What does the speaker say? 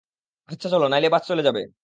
আচ্ছা চলো, নইলে বাস চলে যাবে।